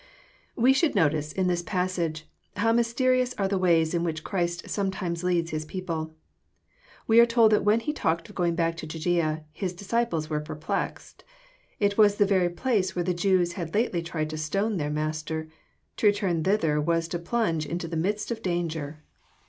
Wb should notice^ in this passage, how mysterious are the foays in tchidi Christ scymetimes leads His people. We are told that when He talked of going back to Judsea, His dis ciples were perplexed. It was the very place where the Jews had lately tried to stone their Master: to return thither was to plunge into the midst of danger.